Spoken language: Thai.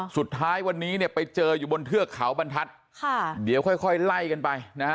สุดท้ายวันนี้เนี่ยไปเจออยู่บนเทือกเขาบรรทัศน์ค่ะเดี๋ยวค่อยไล่กันไปนะฮะ